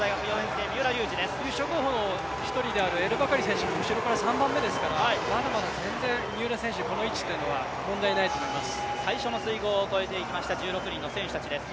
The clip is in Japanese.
優勝候補の１人であるエルバカリ選手も後ろから３番目ですからまだまだ全然三浦選手、この位置というのは問題ないと思います。